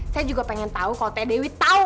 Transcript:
saya juga pengen tau kalau teh dewi tau